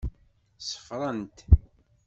Ṣeffrent.